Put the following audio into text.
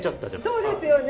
そうですよね。